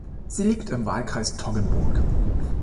Sie liegt im Wahlkreis Toggenburg.